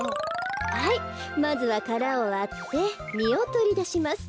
はいまずはからをわってみをとりだします。